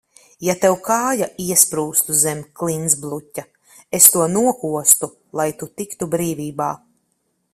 Ja tev kāja iesprūstu zem klintsbluķa, es to nokostu, lai tu tiktu brīvībā.